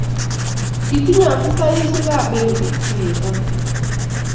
kitinye afisaisiekab benkit tuyie amut.